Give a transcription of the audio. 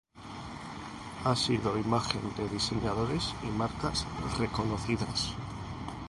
Ha sido imagen de diseñadores y marcas reconocidas.